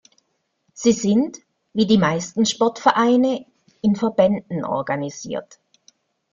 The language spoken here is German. Sie sind wie die meisten Sportvereine in Verbänden organisiert.